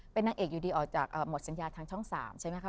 เป็นนางเอกอยู่ดีออกจากหมดสัญญาทางช่อง๓ใช่ไหมคะ